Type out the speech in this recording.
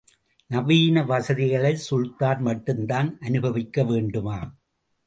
நவீன வசதிகளை சுல்தான் மட்டுந்தான் அனுபவிக்க வேண்டுமா?